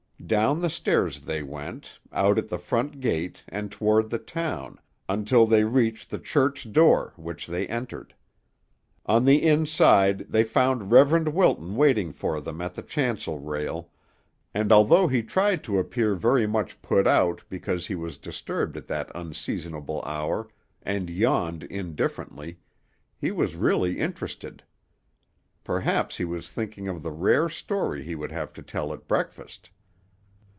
Down the stairs they went, out at the front gate, and toward the town, until they reached the church door, which they entered. On the inside they found Reverend Wilton waiting for them at the chancel rail, and although he tried to appear very much put out because he was disturbed at that unseasonable hour, and yawned indifferently, he was really interested. Perhaps he was thinking of the rare story he would have to tell at breakfast.